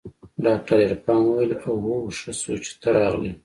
ډاکتر عرفان وويل اوهو ښه شو چې ته راغلې.